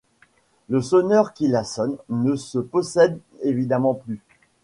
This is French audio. Le sonneur qui la sonne ne se possède évidemment plus.